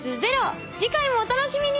次回もお楽しみに！